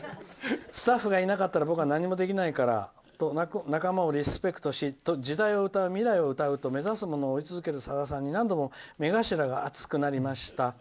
「スタッフがいなかったら僕は何もできないからと仲間をリスペクトをし時代を歌う、未来を歌う追い続けるさださんに何度も目頭が熱くなりました」。